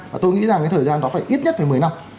và tôi nghĩ rằng cái thời gian đó phải ít nhất phải một mươi năm